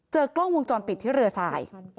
กล้องวงจรปิดที่เรือทราย